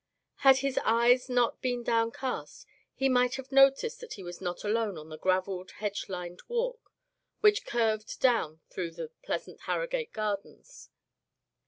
Had his eyes not been downcast he might have noticed that he was not alone on the graveled, hedge lined walk, which curved down through the pleasant Harrogate gardens.